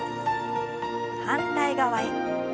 反対側へ。